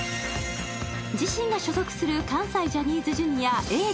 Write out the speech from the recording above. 自身が所属する関西ジャニーズＪｒ．Ａぇ！